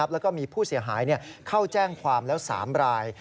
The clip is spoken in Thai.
แล้วก็มีผู้เสียหายเข้าแจ้งความแล้ว๓ราย